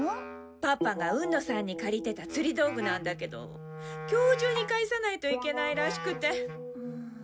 パパが海野さんに借りてた釣り道具なんだけど今日中に返さないといけないらしくて。